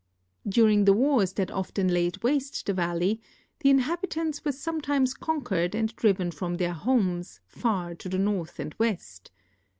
During the wars that often laid waste the valley the inhabit ants were sometimes conquered and driven from their homes, far to the north and west.